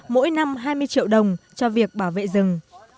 mỗi năm hai mươi triệu đồng cho việc bảo vệ rừng